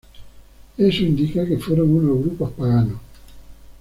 Eso indica que fueron unos grupos paganos.